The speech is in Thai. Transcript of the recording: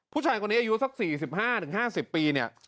ผู้ชายคนนี้อายุสัก๔๕๕๐ปีเนี่ย